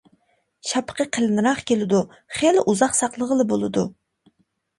شاپىقى قېلىنراق كېلىدۇ، خېلى ئۇزاق ساقلىغىلى بولىدۇ.